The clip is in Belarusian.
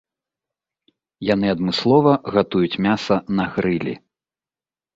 Яны адмыслова гатуюць мяса на грылі.